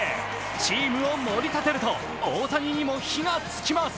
チームを盛り立てると大谷にも火が付きます。